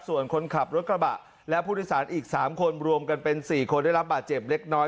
ส่วนคนขับรถกระบะและผู้โดยสารอีก๓คนรวมกันเป็น๔คนได้รับบาดเจ็บเล็กน้อย